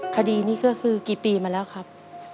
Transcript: คดีนี้ก็คือกี่ปีมาแล้วครับ